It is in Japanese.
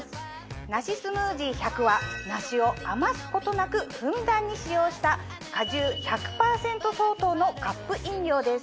「梨スムージー１００」は梨を余すことなくふんだんに使用した果汁１００％相当のカップ飲料です。